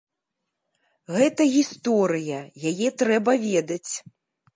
Гэта гісторыя, яе трэба ведаць.